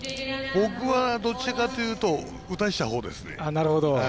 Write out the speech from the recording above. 僕はどっちかというと打たしちゃうほうですね。